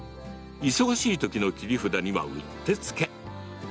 忙しいときの切り札にはうってつけ。